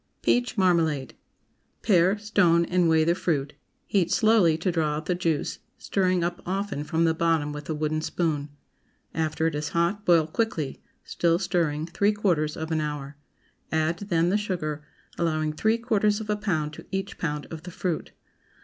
PEACH MARMALADE. ✠ Pare, stone, and weigh the fruit; heat slowly to draw out the juice, stirring up often from the bottom with a wooden spoon. After it is hot, boil quickly, still stirring, three quarters of an hour. Add, then, the sugar, allowing three quarters of a pound to each pound of the fruit.